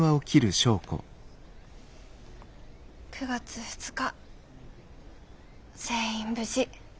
９月２日全員無事。